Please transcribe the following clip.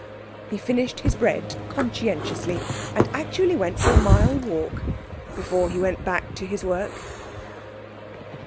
He finished his bread conscientiously, and actually went for a mile walk before he went back to his work.